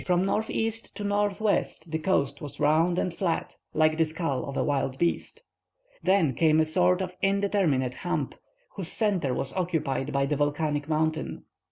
From northeast to northwest the coast was round and flat, like the skull of a wild beast; then came a sort of indeterminate hump, whose centre was occupied by the volcanic mountain.